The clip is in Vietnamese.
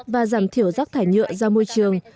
và giảm thiểu rác thải nhựa ra môi trường